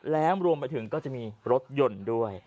แล้วรวมไปถึงก็จะมีรถยนต์ด้วย